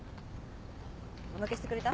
おまけしてくれた？